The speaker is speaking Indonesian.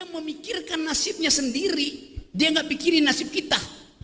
yang memikirkan nasibnya sendiri dia gak pikirin nasib kita